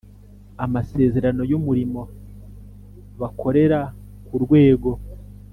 amasezerano y’umurimo bakorera ku rwegos